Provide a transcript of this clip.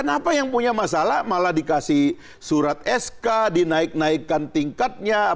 kenapa yang punya masalah malah dikasih surat sk dinaik naikkan tingkatnya